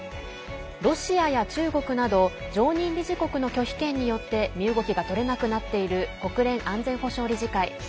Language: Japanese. ロシアや中国など常任理事国の拒否権によって身動きがとれなくなっている国連安全保障理事会。